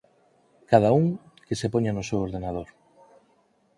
Cada un que se poña no seu ordenador